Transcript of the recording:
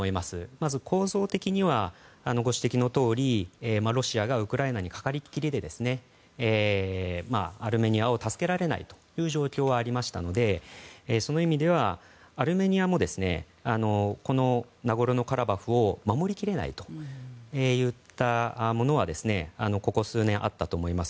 まず、構造的にはご指摘のとおりロシアがウクライナにかかりきりでアルメニアを助けられないという状況はありましたのでその意味では、アルメニアもナゴルノカラバフを守り切れないといったものはここ数年あったと思います。